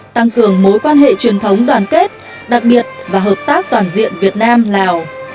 tăng cường mối quan hệ truyền thống đoàn kết đặc biệt và hợp tác toàn diện việt nam lào